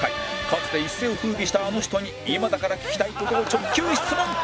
かつて一世を風靡したあの人に今だから聞きたい事を直球質問